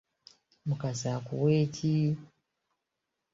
Mukasa akuwe ki?